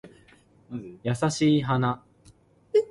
無絲竹之亂耳，無案牘之勞形